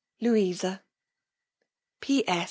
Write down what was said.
LOUISA. _P.S.